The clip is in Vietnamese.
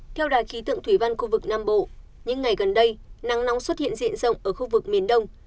theo đài khí tượng thủy văn khu vực nam bộ những ngày gần đây nắng nóng xuất hiện diện rộng ở khu vực miền đông